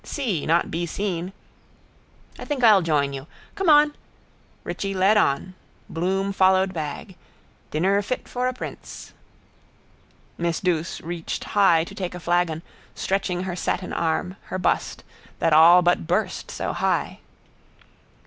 See, not be seen. I think I'll join you. Come on. Richie led on. Bloom followed bag. Dinner fit for a prince. Miss Douce reached high to take a flagon, stretching her satin arm, her bust, that all but burst, so high.